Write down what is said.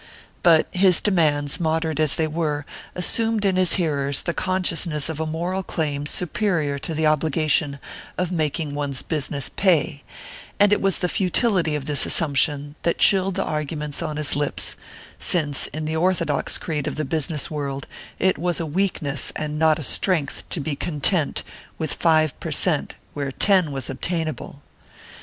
But his demands, moderate as they were, assumed in his hearers the consciousness of a moral claim superior to the obligation of making one's business "pay"; and it was the futility of this assumption that chilled the arguments on his lips, since in the orthodox creed of the business world it was a weakness and not a strength to be content with five per cent where ten was obtainable.